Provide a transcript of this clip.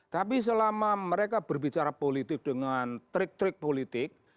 tapi selama mereka berbicara politik dengan trik trik politik